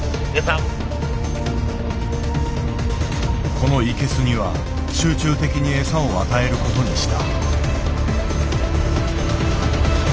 このイケスには集中的に餌を与えることにした。